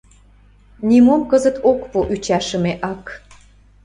Нимом кызыт ок пу ӱчашыме ак